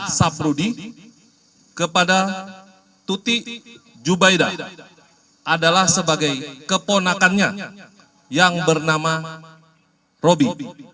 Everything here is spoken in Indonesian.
asab rudi kepada tuti jubaida adalah sebagai keponakannya yang bernama robi